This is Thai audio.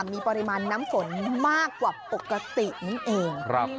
มีปริมาณน้ำฝนมากกว่าปกตินั่นเอง